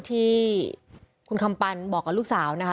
ที่คุณคำปันบอกกับลูกสาวนะคะ